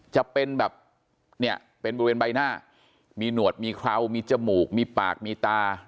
จะเป็นแบบเนี่ยเป็นบริเวณใบหน้ามีหนวดมีเคราะมีจมูกมีปากมีตา